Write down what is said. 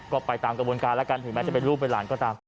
ก็ไปตามกระบวนการแล้วกันถึงแม้จะเป็นลูกเป็นหลานก็ตาม